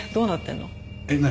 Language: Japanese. えっ何？